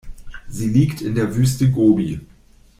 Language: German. Sie liegt in der Wüste Gobi.